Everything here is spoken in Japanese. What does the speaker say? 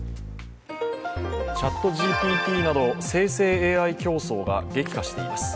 ＣｈａｔＧＰＴなど生成ＡＩ競争が激化しています。